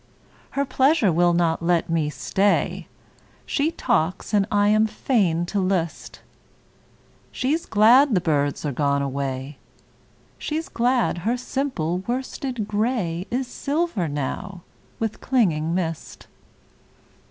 Her pleasure will not let me stay. She talks and I am fain to list:She's glad the birds are gone away, She's glad her simple worsted grayIs silver now with clinging mist.